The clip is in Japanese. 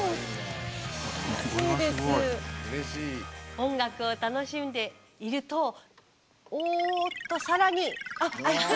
音楽を楽しんでいるとおおっと更に。